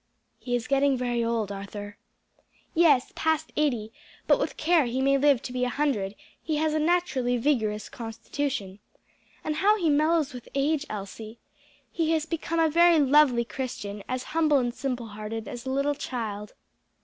"He is getting very old, Arthur." "Yes, past eighty, but with care he may live to be a hundred; he has a naturally vigorous constitution. And how he mellows with age, Elsie! He has become a very lovely Christian, as humble and simple hearted as a little child."